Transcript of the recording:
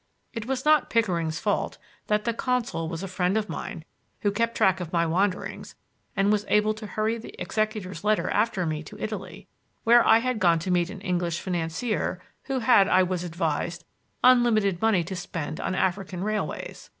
It was not Pickering's fault that the consul was a friend of mine who kept track of my wanderings and was able to hurry the executor's letter after me to Italy, where I had gone to meet an English financier who had, I was advised, unlimited money to spend on African railways.